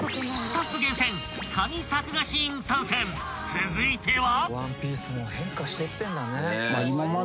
［続いては］